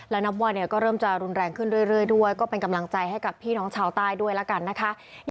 และนับว่าก็เริ่มจะรุนแรงขึ้นเรื่อยด้วยก็เป็นกำลังใจให้กับพี่น้องชาวใต้ด้วยแล้วกันนะคะ